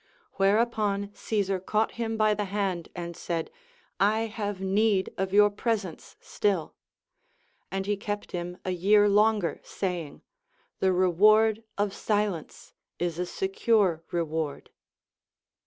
Whereupon Caesar caught him by the hand and said, I have need of your presence still ; and he kept him a year longer, saying. The reward of silence is a secure reward.